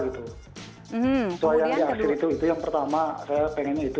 itu yang pertama saya ingin itu